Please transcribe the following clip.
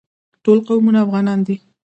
ټول قومونه افغانان دي